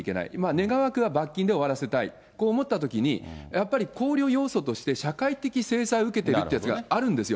願わくば罰金で終わらせたい、こう思ったときに、やっぱりこうりゅう要素として社会的制裁を受けてるっていうのがあるんですよ。